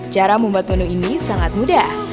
cara membuat menu ini sangat mudah